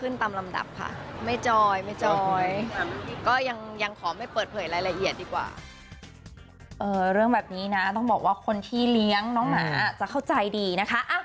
เรื่องแบบนี้นะต้องบอกว่าคนที่เลี้ยงน้องหมาจะเข้าใจดีนะคะ